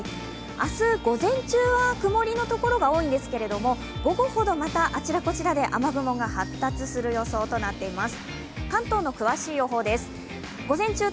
明日、午前中は曇りのところが多いんですけど、午後ほど、またあちらこちらで、雨雲が発達する予想となっています。